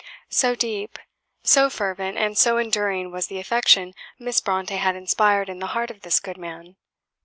So deep, so fervent, and so enduring was the affection Miss Brontë had inspired in the heart of this good man!